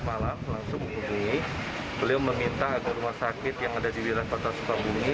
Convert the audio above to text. malam langsung beliau meminta agar rumah sakit yang ada di wilayah kota sukabumi